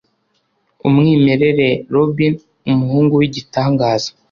Umwimerere Robin, Umuhungu Wigitangaza